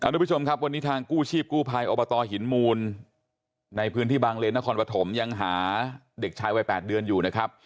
ทุกผู้ชมครับวันนี้ทางกู้ชีพกู้ภัยอบตหินมูลในพื้นที่บางเลนนครปฐมยังหาเด็กชายวัย๘เดือนอยู่นะครับ